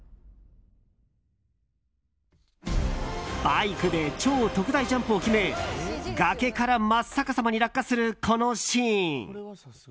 バイクで超特大ジャンプを決め崖から真っ逆さまに落下するこのシーン。